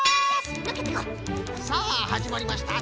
さあはじまりました